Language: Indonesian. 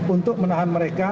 untuk menahan mereka